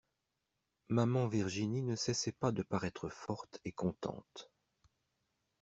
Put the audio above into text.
Maman Virginie ne cessait pas de paraître forte et contente.